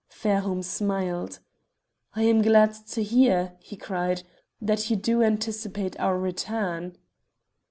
Fairholme smiled. "I am glad to hear," he cried, "that you do anticipate our return."